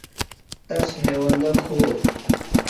تس ہیوندہ کھو۔